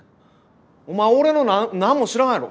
お前俺の何も知らんやろ！